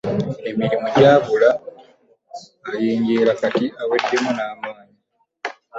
Emirimu gyabula oyenjeera, kati oweddemu n’amaanyi.